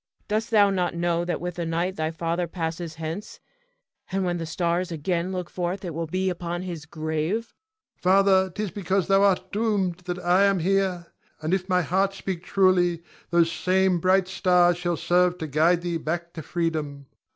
Dost thou not know that with the night thy father passeth hence, and when the stars again look forth it will be upon his grave? Ion. Father, 'tis because thou art doomed that I am here. And if my heart speak truly, those same bright stars shall serve to guide thee back to freedom.